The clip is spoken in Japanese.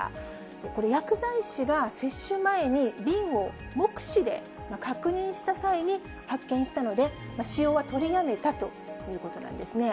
これ、薬剤師が接種前に瓶を目視で確認した際に発見したので、使用は取りやめたということなんですね。